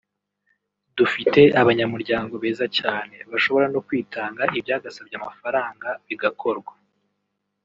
dufite abanyamuryango beza cyane bashobora no kwitanga ibyagasabye amafaranga bigakorwa